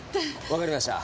わかりました。